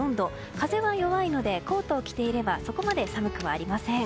風は弱いのでコートを着ていればそこまで寒くはありません。